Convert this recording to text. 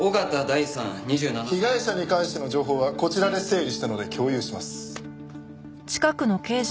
被害者に関しての情報はこちらで整理したので共有します。